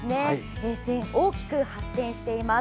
沿線大きく発展しています。